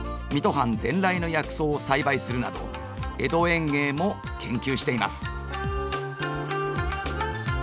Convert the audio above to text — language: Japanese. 藩伝来の薬草を栽培するなど江戸園芸も研究しています。